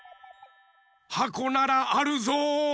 はこならあるぞ。